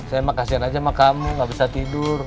saya emang kasihan aja sama kamu gak bisa tidur